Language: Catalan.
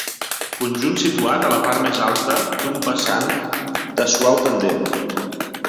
Conjunt situat a la part més alta d'un vessant de suau pendent.